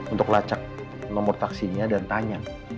untuk lacak nomor taksinya dan tanya